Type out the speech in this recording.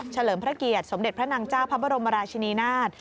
เลิมพระเกียรติสมเด็จพระนางเจ้าพระบรมราชินีนาฏ